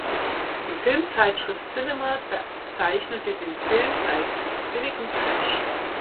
Die Filmzeitschrift Cinema bezeichnete den Film als „billigen Trash“.